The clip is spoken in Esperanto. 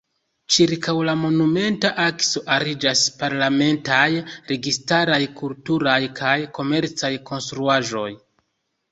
Ĉirkaŭ la Monumenta akso ariĝas parlamentaj, registaraj, kulturaj kaj komercaj konstruaĵoj.